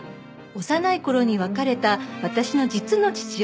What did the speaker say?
幼い頃に別れた私の実の父親です